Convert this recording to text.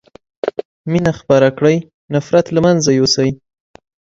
مينه خپره کړي نفرت له منځه يوسئ